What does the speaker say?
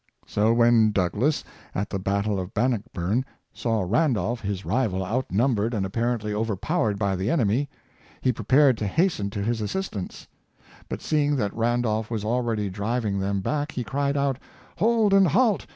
So when Douglas, at the battle of Bannockburn, saw Randolph, his rival, outnumbered and apparently over powered by the enemy, he prepared to hasten to his assistance; but seeing that Randolph was already driv ing them back, he cried out, "hold and halt!